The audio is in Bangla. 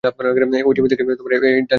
ঐ ডিমের থেকে এক ডাইনোসর জন্ম নেয়।